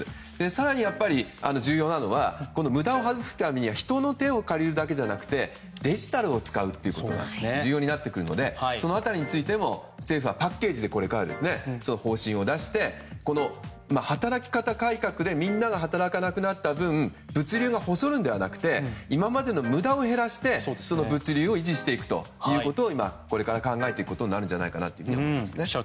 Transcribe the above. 更に、やっぱり重要なのは無駄を省くためには人の手を借りるだけじゃなくてデジタルを使うということが重要になってくるのでその辺りについても政府はパッケージでこれから方針を出して働き方改革でみんなが働かなくなった分物流が細くなるのではなくて今までの無駄を減らして物流を維持していくことをこれから考えていくことになると思います。